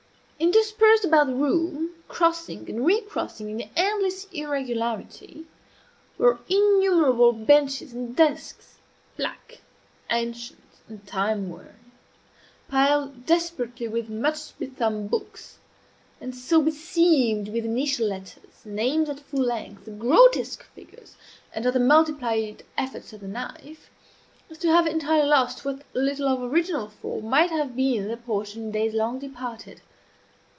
Interspersed about the room, crossing and recrossing in endless irregularity, were innumerable benches and desks, black, ancient, and time worn, piled desperately with much be thumbed books, and so beseamed with initial letters, names at full length, grotesque figures, and other multiplied efforts of the knife, as to have entirely lost what little of original form might have been their portion in days long departed.